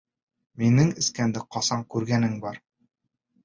Минең эскәнде ҡасан күргәнең бар?